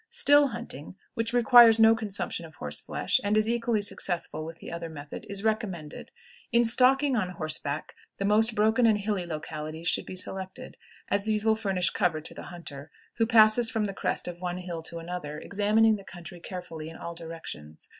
Still hunting, which requires no consumption of horse flesh, and is equally successful with the other method, is recommended. In stalking on horseback, the most broken and hilly localities should be selected, as these will furnish cover to the hunter, who passes from the crest of one hill to another, examining the country carefully in all directions.